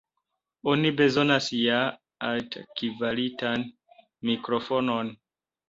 Oni bezonas ja altkvalitan mikrofonon.